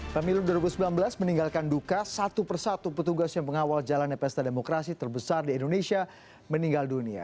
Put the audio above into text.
pemilu dua ribu sembilan belas meninggalkan duka satu persatu petugas yang mengawal jalannya pesta demokrasi terbesar di indonesia meninggal dunia